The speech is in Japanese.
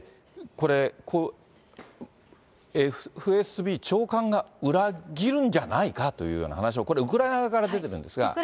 これ、ＦＳＢ長官が裏切るんじゃないかというような話、これ、ウクライナ側から出てるんですが。